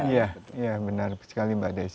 iya benar sekali mbak desy